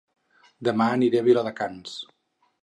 Dema aniré a Viladecans